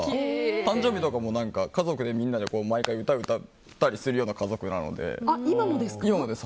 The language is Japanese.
お誕生日とかも家族でみんなで歌を歌ったりするような今もですか？